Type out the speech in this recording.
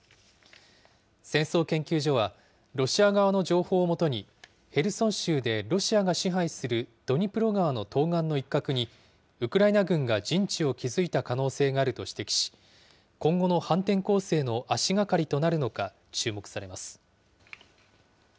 戦争研究所は、ロシア側の情報をもとにヘルソン州でロシアが支配するドニプロ川の東岸の一角に、ウクライナ軍が陣地を築いた可能性があると指摘し、今後の反転攻勢の足がかりとなるのか注目されます。